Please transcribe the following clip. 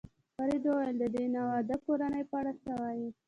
فرید وویل: د دې ناواده کورنۍ په اړه څه وایې؟